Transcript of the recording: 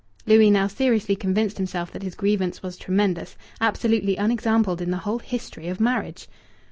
Louis now seriously convinced himself that his grievance was tremendous, absolutely unexampled in the whole history of marriage.